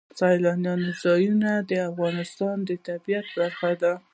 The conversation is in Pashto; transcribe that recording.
سیلانی ځایونه د افغانستان د طبیعت برخه ده.